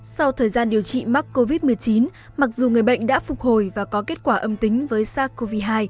sau thời gian điều trị mắc covid một mươi chín mặc dù người bệnh đã phục hồi và có kết quả âm tính với sars cov hai